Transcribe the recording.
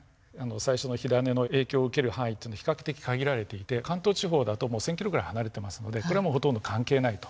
最初の火種の影響を受ける範囲っていうのは比較的限られていて関東地方だともう１，０００キロぐらい離れてますのでこれはもうほとんど関係ないと。